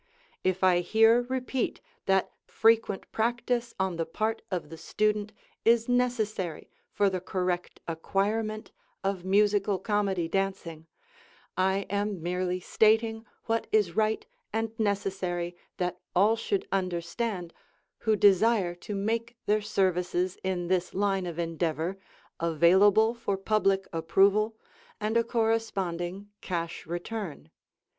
If I here repeat that frequent practice on the part of the student is necessary for the correct acquirement of Musical Comedy dancing, I am merely stating what is right and necessary that all should understand who desire to make their services in this line of endeavor available for public approval and a corresponding cash return.